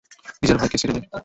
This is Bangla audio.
নিজের ভাইকে ছেড়ে দে।